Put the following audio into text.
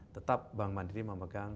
tetap bank mandiri memegang